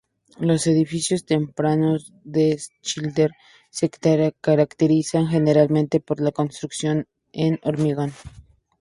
Los edificios tempranos de Schindler se caracterizan generalmente por la construcción en hormigón.